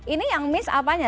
ini yang miss apanya